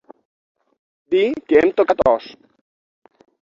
…dir que hem tocat os.